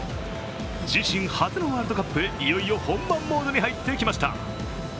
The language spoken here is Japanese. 自身初のワールドカップへ、いよいよ本番モードに入ってきました。